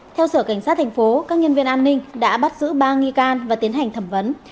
theo sở cảnh sát thành phố các nhân viên an ninh đã bắt giữ ba nghi can và tiến hành thẩm vấn